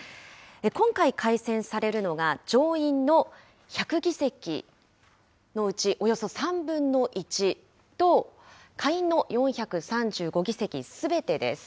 今回改選されるのが、上院の１００議席のうちおよそ３分の１と、下院の４３５議席すべてです。